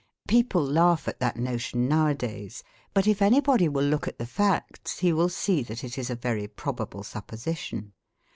People laugh at that notion now a days; but if anybody will look at the facts he will see that it is a very probable supposition.